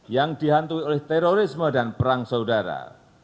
yang dihantui oleh terorisme dan perang saudara